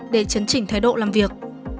để chấn chỉnh thái độ làm việc